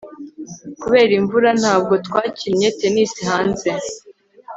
kubera imvura, ntabwo twakinnye tennis hanze